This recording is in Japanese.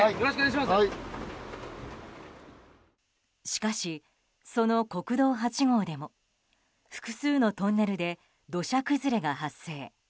しかし、その国道８号でも複数のトンネルで土砂崩れが発生。